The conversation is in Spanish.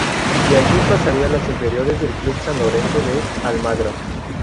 De allí pasaría a las inferiores del Club San Lorenzo de Almagro.